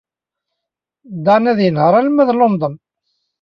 Dan ad yenheṛ arma d London.